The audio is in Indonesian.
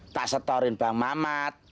tak setorin bang mamat